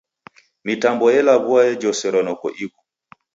Mitambo elaw'ua yajoseronoko ighu.